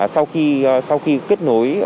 sau khi kết nối